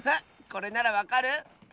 これならわかる？